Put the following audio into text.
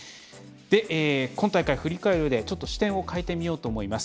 今大会、振り返るうえで視点を変えてみようと思います。